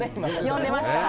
呼んでました。